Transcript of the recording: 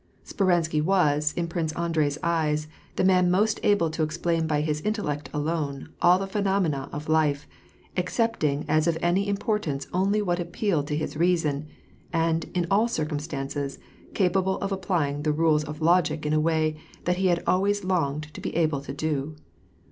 Speransky was, in Prince Andrei's eyes, the man most able to explain by his intellect alone all the phenomena of life, accepting as of any importance only what appealed to his reason, and, in all circumstances, capable of applying the i rules of logic in a way that he had always longed to be able to do.